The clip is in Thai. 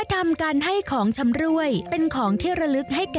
วัฒนธรรมการให้ของชำรวยเป็นของที่ระลึกให้แก่กันนั้น